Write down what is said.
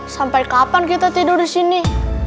sampai kapan kita tidur disini